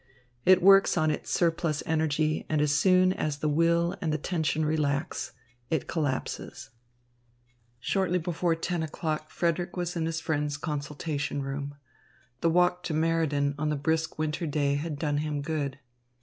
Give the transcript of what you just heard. It works on its surplus energy, and as soon as the will and the tension relax, it collapses. XXVI Shortly before ten o'clock Frederick was in his friend's consultation room. The walk to Meriden on the brisk winter day had done him good.